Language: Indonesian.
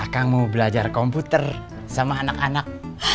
kamu belajar komputer sama anak anak